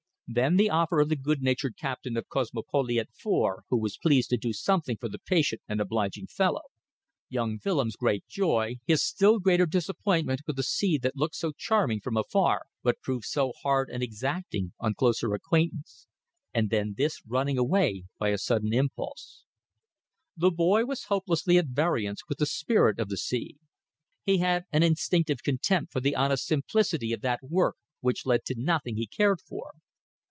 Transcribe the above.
Then the offer of the good natured captain of Kosmopoliet IV., who was pleased to do something for the patient and obliging fellow; young Willems' great joy, his still greater disappointment with the sea that looked so charming from afar, but proved so hard and exacting on closer acquaintance and then this running away by a sudden impulse. The boy was hopelessly at variance with the spirit of the sea. He had an instinctive contempt for the honest simplicity of that work which led to nothing he cared for.